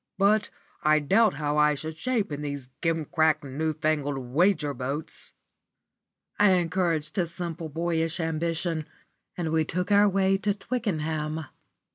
But I doubt how I should shape in these gimcrack, new fangled wager boats." I encouraged his simple, boyish ambition, and we took our way to Twickenham.